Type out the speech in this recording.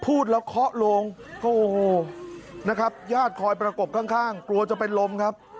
พูดแล้วเคาะโลงก็โอ้โหนะครับญาติคอยประกบข้างกลัวจะเป็นลมครับ